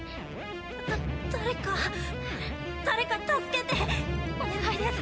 だ誰か誰か助けてお願いです